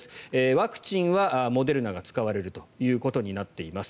ワクチンはモデルナが使われるということになっています。